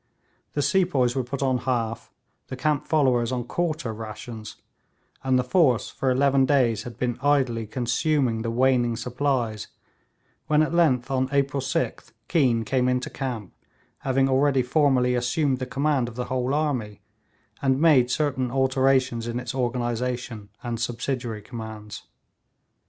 The sepoys were put on half, the camp followers on quarter rations, and the force for eleven days had been idly consuming the waning supplies, when at length, on April 6th, Keane came into camp, having already formally assumed the command of the whole army, and made certain alterations in its organisation and subsidiary commands.